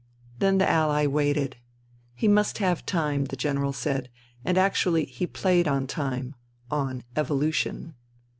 Then the Ally waited. He must have time, the General said ; and actually he played on time, on " evolution.'